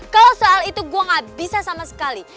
kalau soal itu gue gak bisa sama sekali